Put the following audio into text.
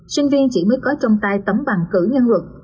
sinh viên chỉ mới có trong tay tấm bằng cử nhân luật